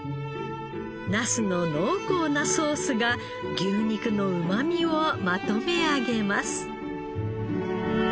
ナスの濃厚なソースが牛肉のうまみをまとめ上げます。